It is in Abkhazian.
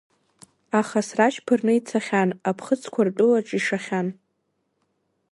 Аха срашь ԥырны ицахьан, аԥхыӡқәа ртәылаҿ ишахьан.